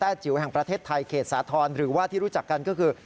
จิ๋วแห่งประเทศไทยเขตสาธรณ์หรือว่าที่รู้จักกันก็คือ